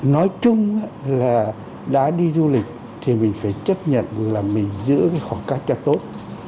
nói chung là đã đi du lịch thì mình phải chấp nhận là mình giữ cái khoảng cách cho tốt